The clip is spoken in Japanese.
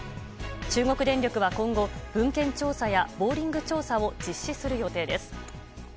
中国電力は今後、文献調査やボーリング調査を実施する予定です。